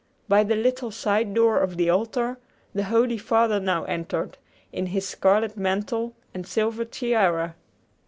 By the little side door of the altar the holy father now entered, in his scarlet mantle and silver tiara.